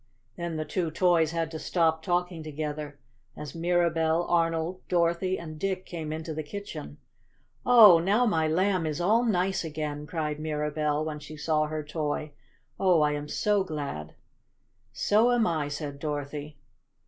Then the two toys had to stop talking together as Mirabell, Arnold, Dorothy and Dick came into the kitchen. "Oh, now my Lamb is all nice again!" cried Mirabell, when she saw her toy. "Oh, I am so glad." "So am I," said Dorothy.